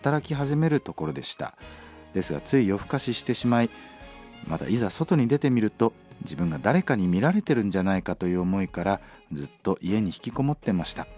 ですがつい夜更かししてしまいまたいざ外に出てみると自分が誰かに見られてるんじゃないかという思いからずっと家にひきこもってました。